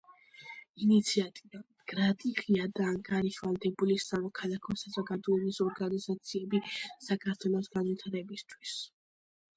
ინიციატივა: მდგრადი, ღია და ანგარიშვალდებული სამოქალაქო საზოგადოების ორგანიზაციები საქართველოს განვითარებისთვის